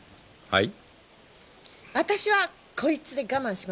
はい？